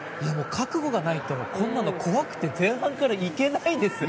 覚悟がないとこんなの怖くて前半から行けないです。